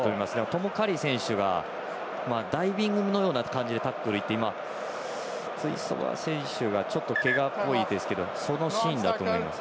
トム・カリー選手がダイビングのような感じでタックルいって今、テュイソバ選手がけがっぽいですけどそのシーンだと思います。